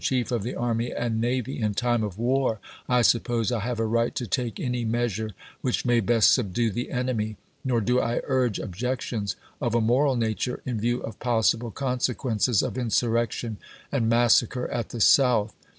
Chief of the Army and Navy, in time of war I suppose I have a right to take any measure which may best subdue the enemy; nor do I urge objections of a moral nature, in view of possible consequences of insurrection and mas sacre at the South.